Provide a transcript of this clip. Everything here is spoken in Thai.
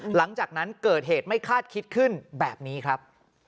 หลังจากนั้นเกิดเหตุไม่คาดคิดขึ้นแบบนี้ครับ